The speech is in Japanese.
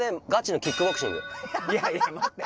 いやいや待って。